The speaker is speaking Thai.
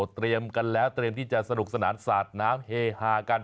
เตรียมกันแล้วเตรียมที่จะสนุกสนานสาดน้ำเฮฮากัน